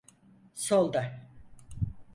Solda…